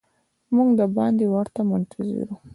موږ د باندې ورته منتظر وو.